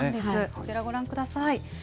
こちらご覧ください。